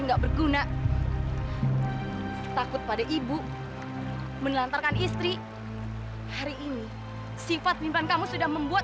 enggak berguna takut pada ibu menelantarkan istri hari ini sifat mimpan kamu sudah membuat